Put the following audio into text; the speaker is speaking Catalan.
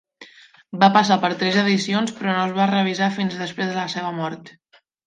Va passar per tres edicions però no es va revisar fins després de la seva mort.